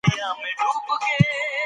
په خپلو خبرو کې له احتیاط څخه کار واخلئ.